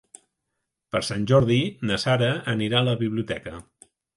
Per Sant Jordi na Sara anirà a la biblioteca.